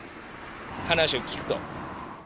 話を聞くと。